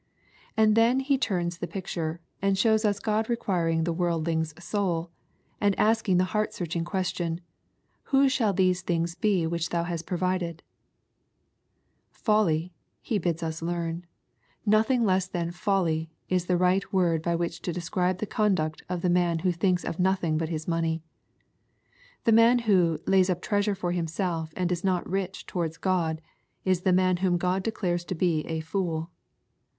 And then he llnrns the picture, and shows us God requiring the worldling's soul, and asking the heart searching question, Whose shall these things be which thou hast provided V •'Folly," he bids us learn, nothing less than "folly," is the right word by which to describe the conduct of the man who thinks of nothing but his money. The man who " lays up treasure for himself, and is not rich towards God," is the man whom God declares to be a " fool."